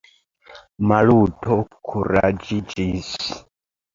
Maluto kuraĝiĝis.